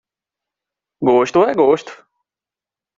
Gosto é gosto.